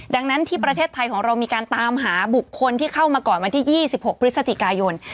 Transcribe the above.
ดังนั้นที่ประเทศไทยของเรามีการตามหาบุคคลที่เข้ามาก่อนวันที่๒๖พฤศจิกายน